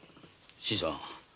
新さん